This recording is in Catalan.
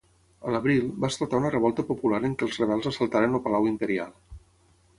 A l'abril, va esclatar una revolta popular en què els rebels assaltaren el palau imperial.